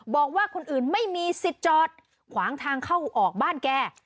บอกว่าคนอื่นไม่มีสิทธิ์จอดขวางทางเข้าออกบ้านแก